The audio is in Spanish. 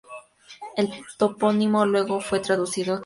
El topónimo luego fue traducido al castellano.